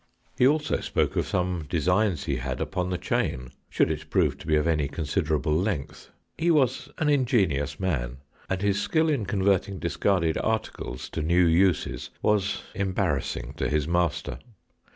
He also spoke of some 110 THE EOCKERY. designs he had upon the chain, should it prove to be of any considerable length. He was an ingenious man, and his skill in converting discarded articles to new uses was embarrass ing to his master.